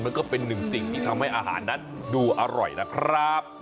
ก็เป็นหนึ่งสิ่งที่ทำให้อาหารนั้นดูอร่อยนะครับ